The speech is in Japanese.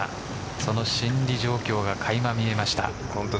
その心理状況がかいま見えました。